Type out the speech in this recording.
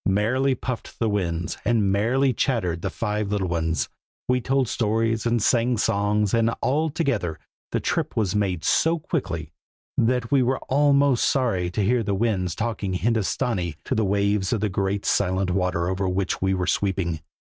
Merrily puffed the winds, and merrily chattered the five little ones; we told stories, and sang songs, and altogether the trip was made so quickly that we were almost sorry to hear the Winds talking Hindostanee to the waves of the great silent water over which we were sweeping.